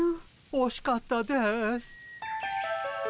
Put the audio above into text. おしかったです。